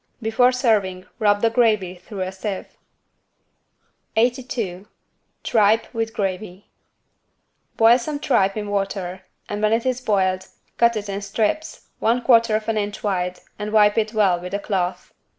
Before serving rub the gravy through a sieve. 82 TRIPE WITH GRAVY Boil some tripe in water and when it is boiled, cut it in strips, one quarter of an inch wide and wipe it well with a cloth.